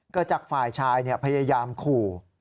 เกิดจากฝ่ายชายพยายามขู่